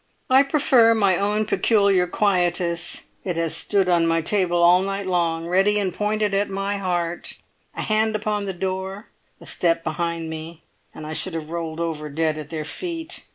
I prefer my own peculiar quietus; it has stood on my table all night long, ready and pointed at my heart; a hand upon the door, a step behind me, and I should have rolled over dead at their feet.